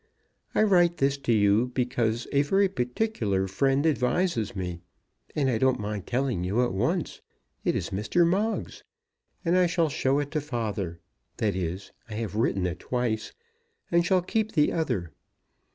I write this to you, because a very particular friend advises me, and I don't mind telling you at once, it is Mr. Moggs. And I shall show it to father. That is, I have written it twice, and shall keep the other.